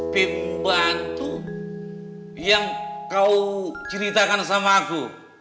pembantu yang kau ceritakan sama aku